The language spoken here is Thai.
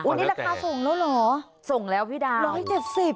นี่ราคาส่งแล้วเหรอส่งแล้วพี่ดาวร้อยเจ็ดสิบ